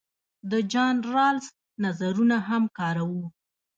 د جان رالز نظرونه هم کاروو.